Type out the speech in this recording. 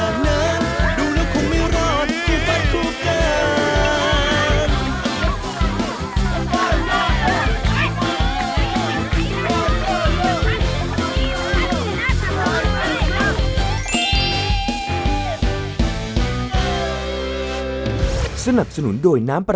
เห็นความได้